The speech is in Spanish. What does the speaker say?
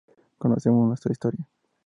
Conocemos nuestra historia.